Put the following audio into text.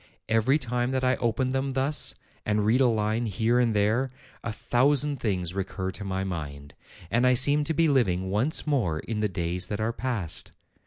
Every time that I open them thus, and read a line here and there, a thousand things recur to my mind, and I seem to be living once more in the days that are past.